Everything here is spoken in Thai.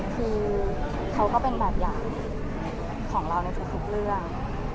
คือเขาก็เป็นแบบอย่างของเราในทุกเรื่อง